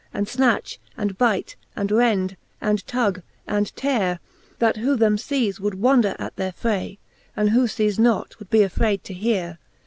And fnatch, and byte, and rend, and tug, and teare ; That who them (cqs, would wonder at their fray j And who fees not, would be affrayd to heare.